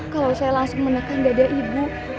kalau saya langsung menekan dada ibu